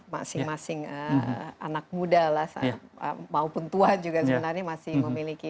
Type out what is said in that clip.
masing masing anak muda lah maupun tua juga sebenarnya masih memiliki